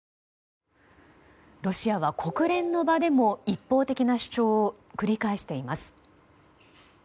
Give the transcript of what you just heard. ロシアは国連の場でも一方的な主張を繰り返しています。